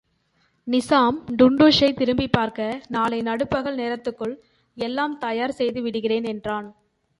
நிசாம் டுன்டுஷைத் திரும்பிப் பார்க்க, நாளை நடுப்பகல் நேரத்துக்குள் எல்லாம் தயார் செய்து விடுகிறேன் என்றான்.